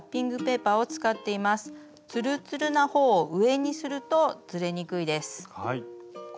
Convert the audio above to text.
ツルツルなほうを上にするとずれにくいです。